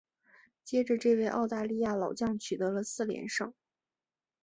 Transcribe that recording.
接着这位澳大利亚老将取得了四连胜。